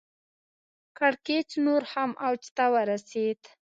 کړکېچ نور هم اوج ته ورسېد.